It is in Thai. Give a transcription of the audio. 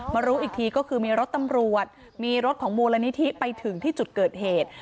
รู้อีกทีก็คือมีรถตำรวจมีรถของมูลนิธิไปถึงที่จุดเกิดเหตุ